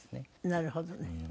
なるほどね。